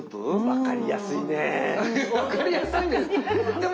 分かりやすいねって。